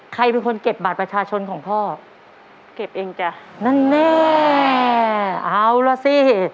ใครเป็นคนเก็บบัตรประชาชนของพ่อเก็บเองจ้ะนั่นแน่เอาล่ะสิ